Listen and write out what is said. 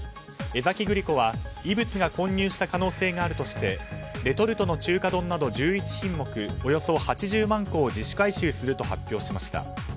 江崎グリコは異物が混入した可能性があるとしてレトルトの中華丼など１１品目およそ８０万個を自主回収すると発表しました。